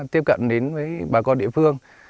tiếp cận đến với bà con địa phương